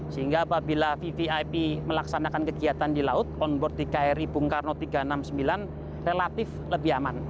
sehingga apabila vvip melaksanakan kegiatan di laut on board di kri bung karno tiga ratus enam puluh sembilan relatif lebih aman